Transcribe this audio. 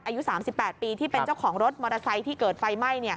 อายุ๓๘ปีที่เป็นเจ้าของรถมอเตอร์ไซค์ที่เกิดไฟไหม้